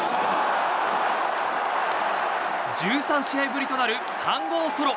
１３試合ぶりとなる３号ソロ。